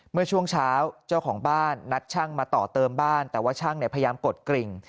เมื่อช่วงเช้าเจ้าของบ้านนัดช่างมาต่อเติมบ้านแต่ว่าช่างพยายามกดกริ่ง